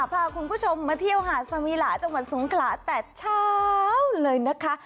พาคุณผู้ชมมาเที่ยวหาดสวีหลาจังหวัดสงขลาแต่เช้าเลยนะคะ